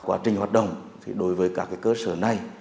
quá trình hoạt động thì đối với các cơ sở này